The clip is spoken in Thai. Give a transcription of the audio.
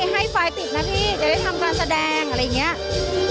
ให้ไฟล์ติดนะพี่จะได้ทำการแสดงอะไรอย่างนี้